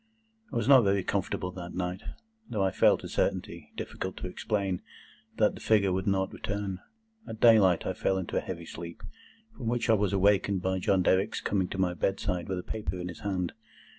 I was not very comfortable that night, though I felt a certainty, difficult to explain, that the figure would not return. At daylight I fell into a heavy sleep, from which I was awakened by John Derrick's coming to my bedside with a paper in his hand.